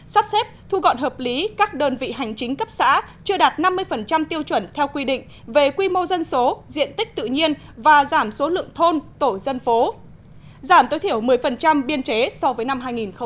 sắp xếp thu gọn hợp lý các đơn vị hành chính cấp xã chưa đạt năm mươi tiêu chuẩn theo quy định về quy mô dân số diện tích tự nhiên và giảm số lượng thôn tổ dân phố giảm tối thiểu một mươi biên chế so với năm hai nghìn một mươi tám